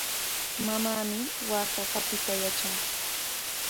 Mamaami waaka qapiytaqa yatran.